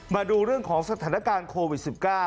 มาดูเรื่องของสถานการณ์โควิด๑๙